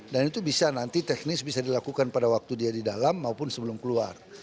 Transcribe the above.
dan itu bisa nanti teknis bisa dilakukan pada waktu dia di dalam maupun sebelum keluar